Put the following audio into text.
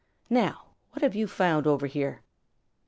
Now, what have you found over here?"